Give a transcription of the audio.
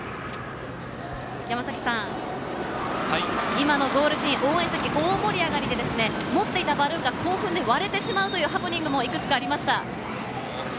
山崎さん、今のゴールシーン、応援席も大盛り上がりで持っていたバルーンが興奮で割れてしまうというハプニングもいくつかありました。